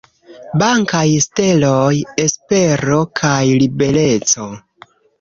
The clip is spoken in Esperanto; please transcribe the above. Blankaj steloj: espero kaj libereco.